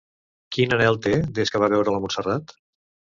Quin anhel té, des que va veure la Montserrat?